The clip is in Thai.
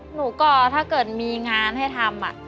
หนูก็ถ้าเกิดมีงานให้ทำ